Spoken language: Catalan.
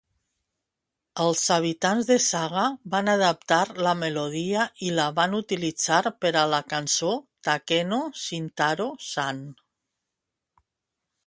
Els habitants de Saga van adaptar la melodia i la van utilitzar per a la cançó "Takeno Shintaro-san".